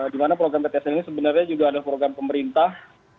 dimana program ptsl ini sebenarnya juga ada program pemerintah